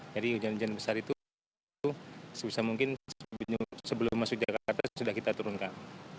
jadi hujan hujan besar itu sebisa mungkin sebelum masuk jakarta sudah kita turunkan